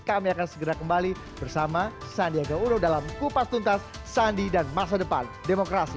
kami akan segera kembali bersama sandiaga uno dalam kupas tuntas sandi dan masa depan demokrasi